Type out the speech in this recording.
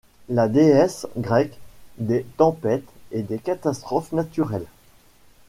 La déesse grecque des tempêtes et des catastrophes naturelles.